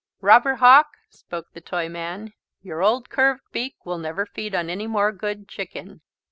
"Robber Hawk," spoke the Toyman, "your old curved beak will never feed on any more good chicken."